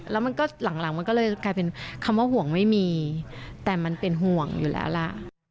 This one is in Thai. แล้วมันก็หลังมันก็เลยกลายเป็นคำว่าห่วงไม่มีแต่มันเป็นห่วงอยู่แล้วล่ะ